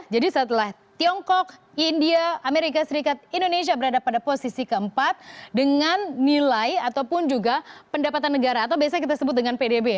jadi setelah tiongkok india amerika serikat indonesia berada pada posisi keempat dengan nilai ataupun juga pendapatan negara atau biasanya kita sebut dengan pdb ya